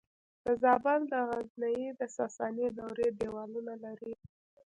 د زابل د غزنیې د ساساني دورې دیوالونه لري